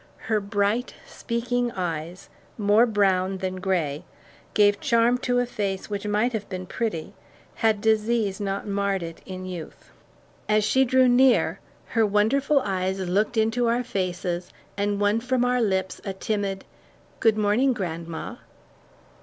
Her bright, speaking eyes, more brown than gray, gave charm to a face which might have been pretty had disease not marred it in youth. As she drew near, her wonderful eyes looked into our faces and won from our lips a timid "Good morning, grandma."